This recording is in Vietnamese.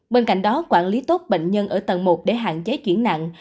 bên cạnh đó quản lý tốt bệnh nhân ở tầng một để hạn chế chuyển nặng